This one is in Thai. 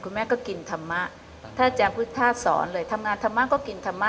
คุณแม่ก็กินธรรมะถ้าอาจารย์พูดท่าสอนเลยทำงานธรรมะก็กินธรรมะ